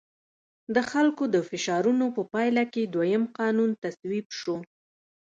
د خلکو د فشارونو په پایله کې دویم قانون تصویب شو.